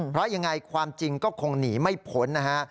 เพราะยังไงความจริงก็คงหนีไม่พ้นนะฮะ